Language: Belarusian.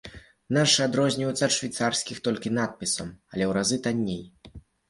Нашы адрозніваюцца ад швейцарскіх толькі надпісам, але ў разы танней.